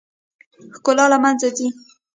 ښکلا له منځه ځي .